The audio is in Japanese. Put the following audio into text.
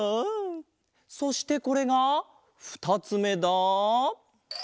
そしてこれがふたつめだ。